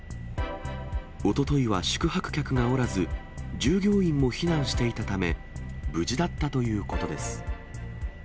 おとといは宿泊客がおらず、従業員も避難していたため、無事だったということです。